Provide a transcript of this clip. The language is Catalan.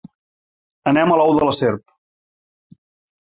Anem a l’ou de la serp.